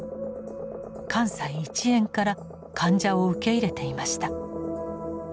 関西一円から患者を受け入れていました。